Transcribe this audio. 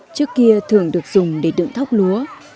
trước kia thường được dùng để đựng thóc lúa